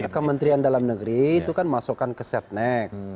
kementerian dalam negeri itu kan masukan ke setnek